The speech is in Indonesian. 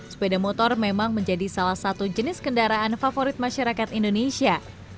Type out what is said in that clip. sepeda motor memang menjadi salah satu jenis kendaraan favorit masyarakat indonesia